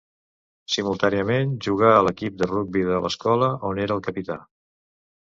Simultàniament jugà a l’equip de rugbi de l’escola, on era el capità.